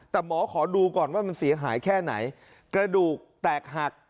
แต่หมอขอดูก่อนว่ามันเสียหายแค่ไหนกระดูกแตกหัก